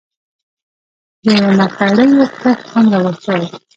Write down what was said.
د مرخیړیو کښت هم رواج شوی.